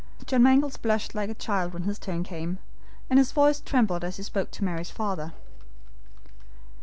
John Mangles blushed like a child when his turn came, and his voice trembled as he spoke to Mary's father.